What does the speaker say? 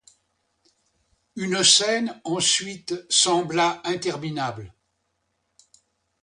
Une scène, ensuite, sembla interminable.